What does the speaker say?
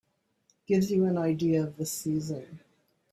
Gives you an idea of the season.